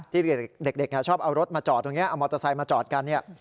ที่เด็กชอบเอารถมาจอดตรงนี้เอามอเตอร์ไซค์มาจอดกันเนี่ย